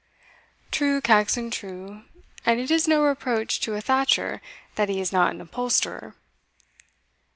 "True, Caxon, true; and it is no reproach to a thatcher that he is not an upholsterer."